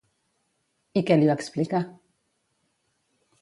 I què li va explicar?